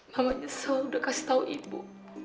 mama nyesel udah kasih tau ibu